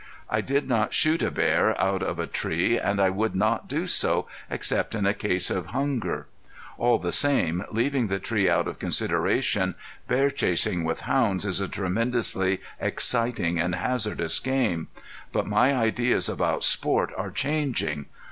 I did not shoot a bear out of a tree and I would not do so, except in a case of hunger. All the same, leaving the tree out of consideration, bear chasing with hounds is a tremendously exciting and hazardous game. But my ideas about sport are changing.